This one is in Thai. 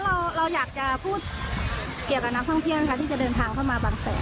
ค่ะคือเพื่อนขาดอ่าแล้วเราเราอยากจะพูดเกี่ยวกับนักท่องเที่ยวนะคะ